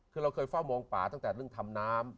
คือเราเคยเฝ้ามองป่าตั้งแต่เรื่องทำน้ำ